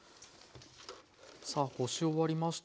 さあこし終わりました。